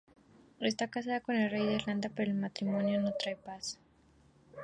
Está casada con el Rey de Irlanda, pero el matrimonio no trae la paz.